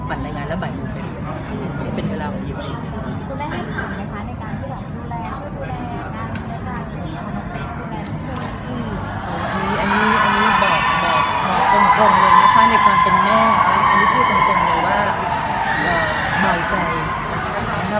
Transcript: อันนี้บอกกลมเลยนะคะ